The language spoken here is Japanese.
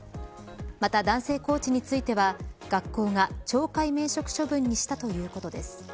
また、男性コーチについては学校が懲戒免職処分にしたということです。